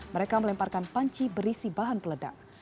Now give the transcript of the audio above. mereka melemparkan panci berisi bahan peledak